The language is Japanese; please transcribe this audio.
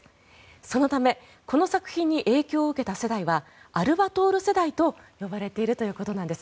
そのためこの作品に影響を受けた世代はアルバトール世代と呼ばれているということなんです。